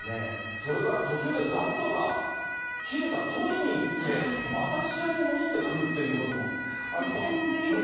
それから途中でガットが切れた、取りに行って、また試合に戻ってくるということも。